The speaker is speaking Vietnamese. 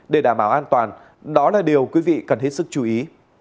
để đảm bảo an toàn đó là điều quý vị cần hết sức chú ý